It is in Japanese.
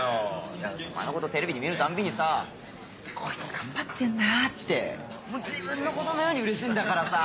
だってお前のことテレビで見るたんびにさこいつ頑張ってんなって自分のことのようにうれしいんだからさ。